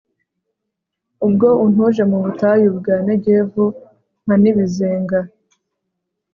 ubwo untuje mu butayu bwa negevu, mpa n'ibizenga